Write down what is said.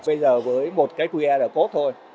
bây giờ với một cái qr code thôi